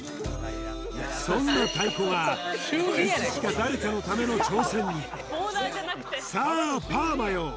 そんな太鼓がいつしか誰かのための挑戦にさあパーマよ